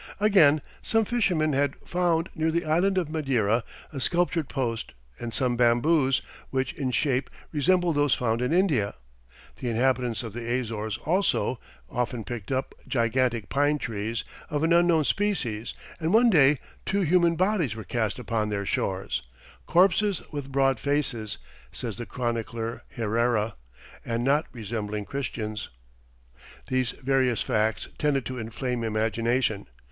Again, some fishermen had found near the island of Madeira, a sculptured post and some bamboos, which in shape resembled those found in India. The inhabitants of the Azores also, often picked up gigantic pine trees, of an unknown species, and one day two human bodies were cast upon their shores, "corpses with broad faces," says the chronicler Herrera, "and not resembling Christians." These various facts tended to inflame imagination.